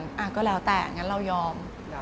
อเรนนี่ตอนนั้นก็แล้วแต่ฉะนั้นเรายอม